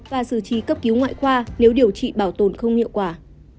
và xử trí cấp cứu ngoại khoa nếu điều trị bảo tồn không hiệu quả